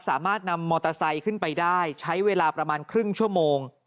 สามารถนำมอเตอร์ไซค์ขึ้นไปได้ใช้เวลาประมาณครึ่งชั่วโมง